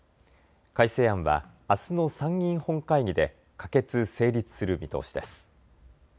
改正案はあすの参議院本会議で可決・成立する見通しです。